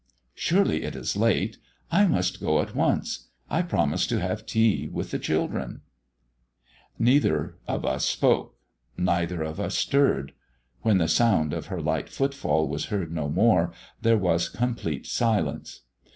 "Surely it is late! I must go at once. I promised to have tea with the children." Neither of us spoke; neither of us stirred; when the sound of her light footfall was heard no more, there was complete silence.